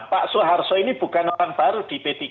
pak soeharto ini bukan orang baru di p tiga